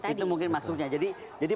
itu mungkin maksudnya jadi